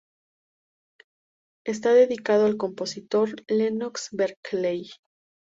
Está dedicado al compositor Lennox Berkeley.